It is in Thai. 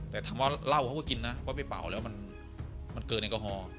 แต่ถามว่าเหล้าเขาก็กินนะว่าไปเป่าแล้วมันเกินแอลกอฮอล์